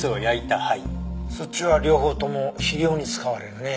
そっちは両方とも肥料に使われるね。